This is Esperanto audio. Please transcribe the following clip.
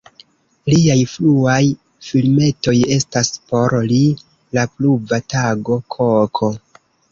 Liaj fruaj filmetoj estas: "Por li", "La pluva tago", "Koko".